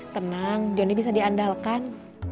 tenang joni bisa diandalkan